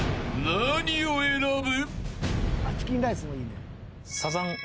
［何を選ぶ？］